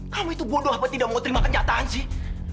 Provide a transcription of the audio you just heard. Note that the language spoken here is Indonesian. kamu itu bodoh apa tidak mau terima kenyataan sih